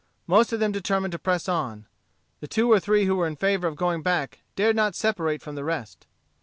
Most of them determined to press on. The two or three who were in favor of going back dared not separate from the rest.